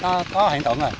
trời ơi không không à